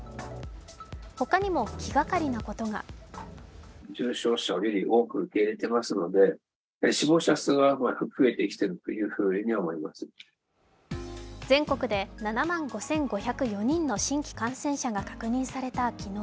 ほかにも気がかりなことが全国で７万５５０４人の新規感染者が確認された昨日。